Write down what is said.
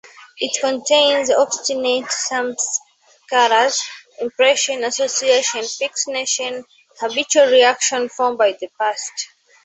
It contains obstinate samskaras, impressions, associations, fixed notions, habitual reactions formed by the past.